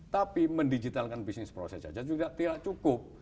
tapi mendigitalkan bisnis proses saja juga tidak cukup